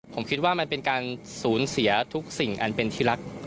ผมคิดว่ามันเป็นการสูญเสียทุกสิ่งอันเป็นที่รัก